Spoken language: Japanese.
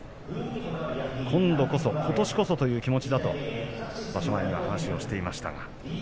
今度こそ、ことしこそという場所前の話をしていました。